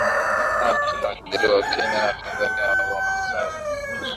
Sawa tu na wajaluo wa kenya na tanzania au wamasai